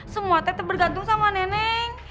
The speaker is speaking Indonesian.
semua tetep bergantung sama nenek